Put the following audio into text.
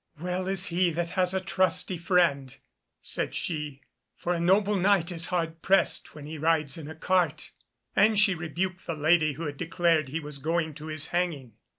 "Well is he that has a trusty friend," said she, "for a noble Knight is hard pressed when he rides in a cart," and she rebuked the lady who had declared he was going to his hanging.